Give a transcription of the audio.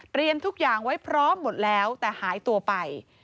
ทุกอย่างไว้พร้อมหมดแล้วแต่หายตัวไป